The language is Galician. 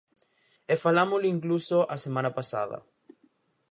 E falámolo incluso a semana pasada.